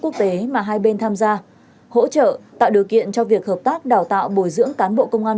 quốc tế mà hai bên tham gia hỗ trợ tạo điều kiện cho việc hợp tác đào tạo bồi dưỡng cán bộ công an